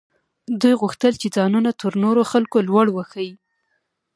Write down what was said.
دوی غوښتل چې ځانونه تر نورو خلکو لوړ وښيي.